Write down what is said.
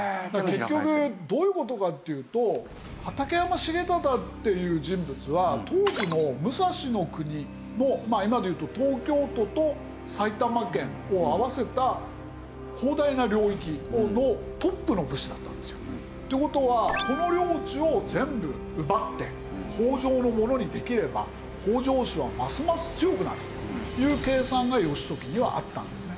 結局どういう事かっていうと畠山重忠っていう人物は当時の武蔵国のまあ今でいうと東京都と埼玉県を合わせた広大な領域のトップの武士だったんですよ。って事はこの領地を全部奪って北条のものにできれば北条氏はますます強くなるという計算が義時にはあったんですね。